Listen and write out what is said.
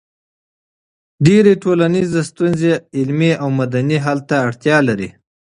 ډېری ټولنیزې ستونزې علمي او مدني حل ته اړتیا لري.